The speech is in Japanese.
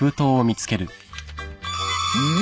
うん？